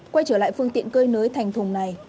quay trở lại phương tiện cơi nới thành thùng này